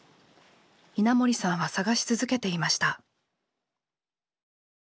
稲森さんは探し続けていました。